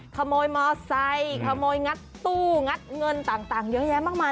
ขโมยมอไซค์ขโมยงัดตู้งัดเงินต่างเยอะแยะมากมาย